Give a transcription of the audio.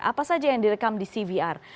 apa saja yang direkam di cvr